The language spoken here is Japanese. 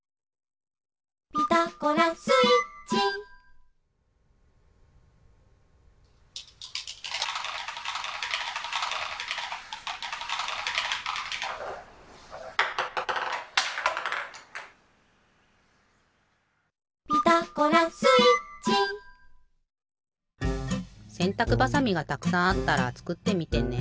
「ピタゴラスイッチ」「ピタゴラスイッチ」せんたくばさみがたくさんあったらつくってみてね。